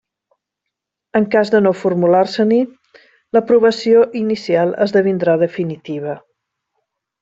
En cas de no formular-se-n'hi, l'aprovació inicial esdevindrà definitiva.